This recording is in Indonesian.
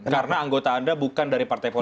karena anggota anda bukan dari partai partai